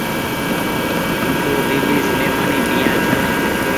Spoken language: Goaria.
هم تو ڍيلي سليمآني پيآ ڇآن